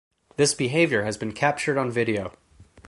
This behaviour has been captured on video.